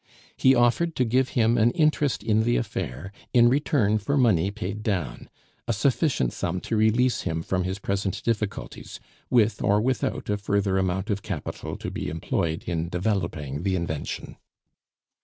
He offered to give him an interest in the affair in return for money paid down; a sufficient sum to release him from his present difficulties, with or without a further amount of capital to be employed in developing the invention.